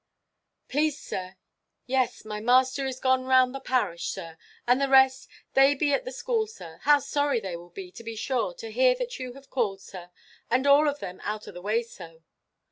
"Please, sir, yes, my master is gone round the parish, sir; and the rest, they be at the school, sir. How sorry they will be, to be sure, to hear that you have called, sir, and all of them out of the way so!"